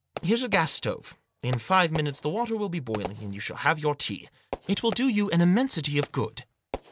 Here's a gas stove ; in five minutes the water will be boiling ; you shall have your tea. It will do you an immensity of good."